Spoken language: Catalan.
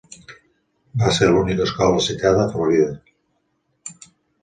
Va ser l'única escola citada a Florida.